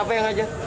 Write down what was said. siapa yang ajar